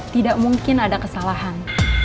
tidak mungkin ada kesalahan